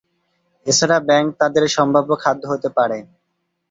এছাড়া ব্যাঙ তাদের সম্ভাব্য খাদ্য হতে পারে।